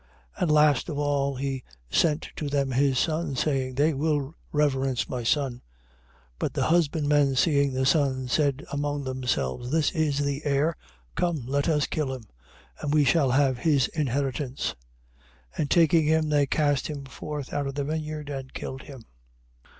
21:37. And last of all he sent to them his son, saying: They will reverence my son. 21:38. But the husbandmen seeing the son, said among themselves: This is the heir: come, let us kill him, and we shall have his inheritance. 21:39. And taking him, they cast him forth out of the vineyard and killed him.